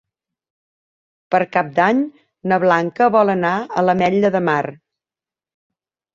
Per Cap d'Any na Blanca vol anar a l'Ametlla de Mar.